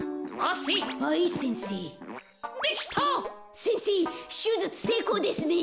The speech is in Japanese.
せんせいしゅじゅつせいこうですね。